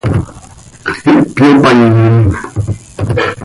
Ihpyopanim.